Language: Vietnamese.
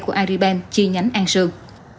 của agribank chi nhánh an sương